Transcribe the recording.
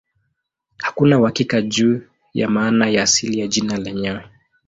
Hakuna uhakika juu ya maana ya asili ya jina lenyewe.